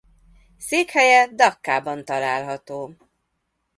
Székhelye Dakkaban található.